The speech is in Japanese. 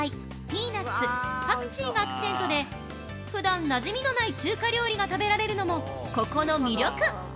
ピーナッツ、パクチーがアクセントでふだん、なじみのない中華料理が食べられるのも、ここの魅力。